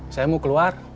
saya mau keluar